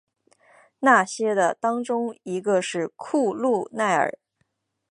那些的当中一个是库路耐尔。